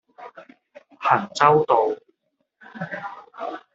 衡州道